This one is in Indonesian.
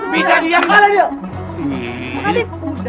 bisa diam gak